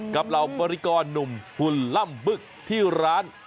เหล่าบริกรหนุ่มหุ่นล่ำบึกที่ร้าน